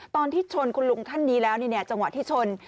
ตอนที่ชนคุณลุงท่านนี้แล้วจังหวะที่ชน